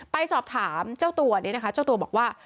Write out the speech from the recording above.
ไปสอบถามเจ้าตัวนี้นะคะเจ้าตัวบอกว่า